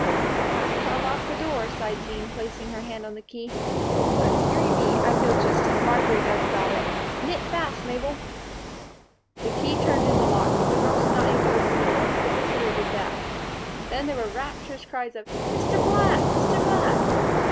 "We'll have to unlock the door," sighed Jean, placing her hand on the key, "but dearie me, I feel just as Marjory does about it. Knit fast, Mabel." The key turned in the lock, but the girls did not need to open the door; the visitor did that. Then there were rapturous cries of "Mr. Black! Mr. Black!"